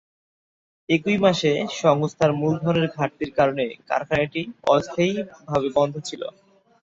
একই মাসে সংস্থার মূলধনের ঘাটতির কারণে কারখানাটি অস্থায়ীভাবে বন্ধ ছিল।